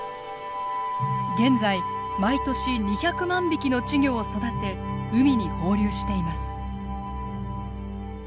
現在毎年２００万匹の稚魚を育て海に放流しています。